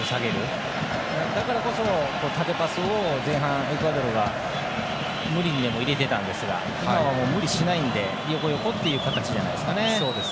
だからこそ、縦パスを前半エクアドルが無理にでも入れていたんですが今は無理しないので横、横という形じゃないですかね。